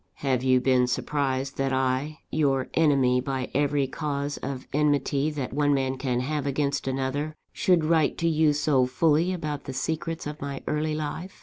Have you been surprised that I, your enemy by every cause of enmity that one man can have against another, should write to you so fully about the secrets of my early life?